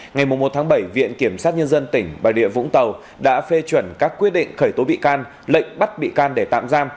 ngày một tháng bảy viện kiểm sát nhân dân tỉnh bà địa vũng tàu đã phê chuẩn các quyết định khởi tố bị can lệnh bắt bị can để tạm giam